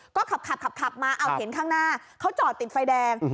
ก็ขับขับมาเอาเห็นข้างหน้าเขาจอดติดไฟแดง